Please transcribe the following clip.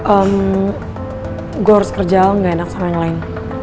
emm gua harus kerja gak enak sama yang lain